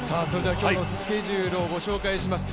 今日のスケジュールをご紹介します。